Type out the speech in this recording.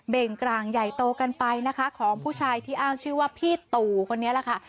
่งกลางใหญ่โตกันไปนะคะของผู้ชายที่อ้างชื่อว่าพี่ตู่คนนี้แหละค่ะ